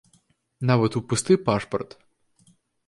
Нават у пусты пашпарт.